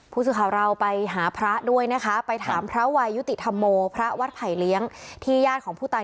ผู้สื่อข่าวเราไปหาพระด้วยนะคะไปถามพระวัยยุติธรรมโมพระวัดไผ่เลี้ยงที่ญาติของผู้ตาย